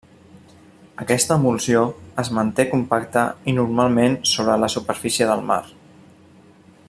Aquesta emulsió es manté compacte i normalment sobre la superfície del mar.